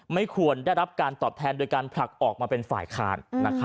ไม่ควรได้รับการตอบแทนโดยการผลักออกมาเป็นฝ่ายค้าน